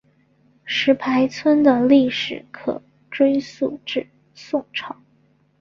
石牌村的历史可追溯至宋朝。